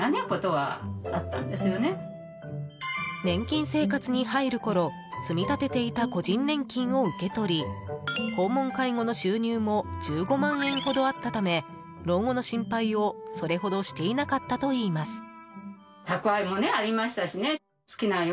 年金生活に入るころ積み立てていた個人年金を受け取り訪問介護の収入も１５万円ほどあったため老後の心配を、それほどしていなかったといいます。